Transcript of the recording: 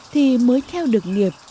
thì mới theo được nghiệp